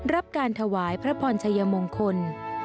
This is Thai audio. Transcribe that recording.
รับการถวายพระพรชัยมงคล